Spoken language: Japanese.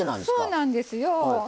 そうなんですよ。